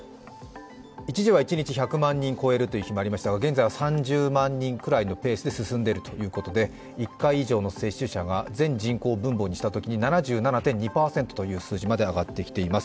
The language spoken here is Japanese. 一時は一日１００万人を超えるという日もありましたが現在は３０万人くらいのペースで進んでいるということで１回以上の接種者が全人口を分母にしたときに７７．２％という数字まで上がってきています。